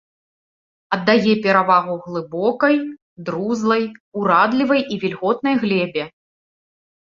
Аддае перавагу глыбокай друзлай, урадлівай і вільготнай глебе.